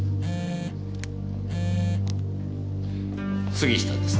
杉下です。